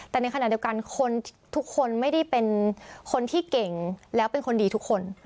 แต่ในขณะเดียวกันคนทุกคนไม่ได้เป็นคนที่เก่งแล้วเป็นคนดีทุกคน